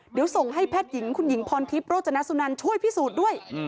เดี๋ยวส่งให้แพทย์หญิงคุณหญิงพรทิพย์โรจนสุนันช่วยพิสูจน์ด้วย